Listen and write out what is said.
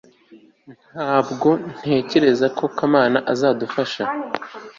ntabwo ntekereza ko kamana azadufasha